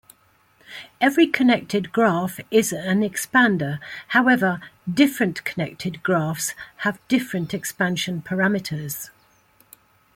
Every connected graph is an expander; however, different connected graphs have different expansion parameters.